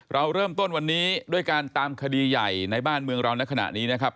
เราเริ่มต้นวันนี้ด้วยการตามคดีใหญ่ในบ้านเมืองเราในขณะนี้นะครับ